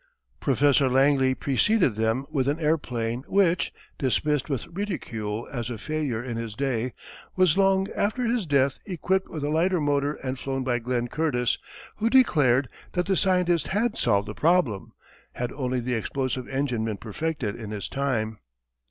Professor Langley preceded them with an airplane which, dismissed with ridicule as a failure in his day, was long after his death equipped with a lighter motor and flown by Glenn Curtis, who declared that the scientist had solved the problem, had only the explosive engine been perfected in his time.